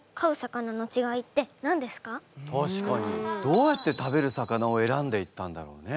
どうやって食べる魚を選んでいったんだろうね？